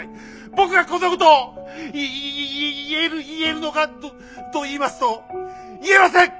僕がこんなこといい言える言えるのかといいますと言えません！